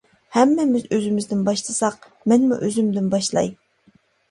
ھەممىمىز ئۆزىمىزدىن باشلىساق، مەنمۇ ئۆزۈمدىن باشلاي.